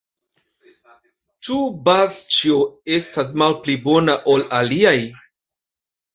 Ĉu Bazĉjo estas malpli bona ol aliaj?